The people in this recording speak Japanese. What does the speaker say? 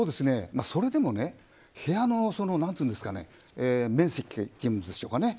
それでも部屋の面積というんですかね。